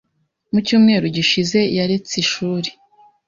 Mu cyumweru gishize yaretse ishuri.